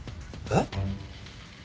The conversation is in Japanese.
えっ？